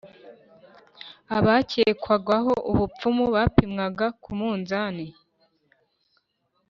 Abakekwagaho ubupfumu bapimwaga ku munzani